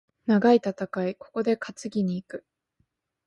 長い戦い、ここで担ぎに行く。